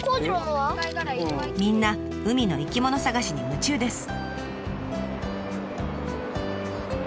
みんな海の生き物探しに夢中です。